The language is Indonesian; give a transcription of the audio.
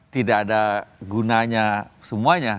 tidak ada gunanya semuanya